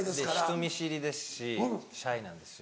人見知りですしシャイなんですよ。